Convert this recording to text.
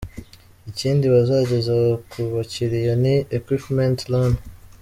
Ikindi bazageza ku bakiriya ni “Equipment Loan”.